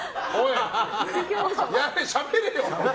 しゃべれよ！